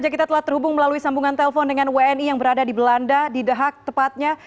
kita telah terhubung melalui sambungan telpon dengan wni yang berada di belanda di the hack tepatnya